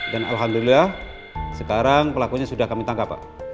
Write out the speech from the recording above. dan alhamdulillah sekarang pelakunya sudah kami tangkap pak